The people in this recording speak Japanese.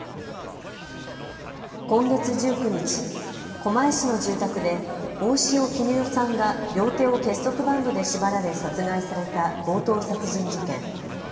今月１９日、狛江市の住宅で大塩衣與さんが両手を結束バンドで縛られ殺害された強盗殺人事件。